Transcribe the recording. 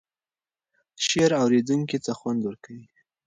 شعر اوریدونکی ته خوند ورکوي.